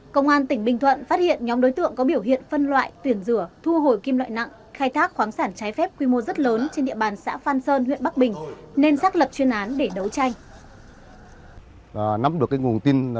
công an tỉnh bình thuận phát hiện nhóm đối tượng có biểu hiện phân loại tuyển rửa thu hồi kim loại nặng khai thác khoáng sản trái phép quy mô rất lớn trên địa bàn xã phan sơn huyện bắc bình nên xác lập chuyên án để đấu tranh